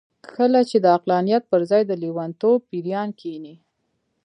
کله چې د عقلانيت پر ځای د لېونتوب پېريان کېني.